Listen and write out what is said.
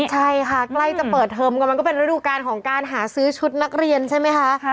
ใช่ค่ะใกล้จะเปิดเทอมกันมันก็เป็นฤดูการของการหาซื้อชุดนักเรียนใช่ไหมคะ